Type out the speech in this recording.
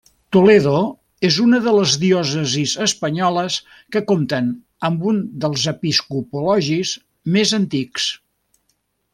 Toledo és una de les diòcesis espanyoles que compten amb un dels episcopologis més antics.